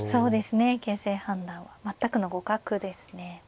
形勢判断は全くの互角ですね。